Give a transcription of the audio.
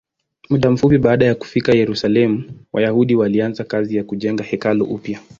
Muda mfupi baada ya kufika Yerusalemu, Wayahudi walianza kazi ya kujenga hekalu upya.